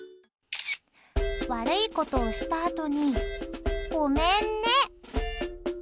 悪いことをしたあとにごめん寝。